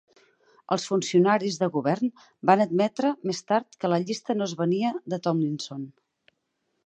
Els funcionaris de Govern van admetre més tard que la llista no es venia de Tomlinson.